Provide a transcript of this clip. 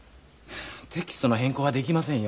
テキストの変更はできませんよ。